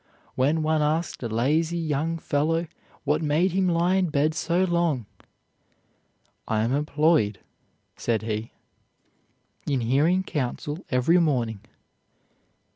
When one asked a lazy young fellow what made him lie in bed so long, "I am employed," said he, "in hearing counsel every morning.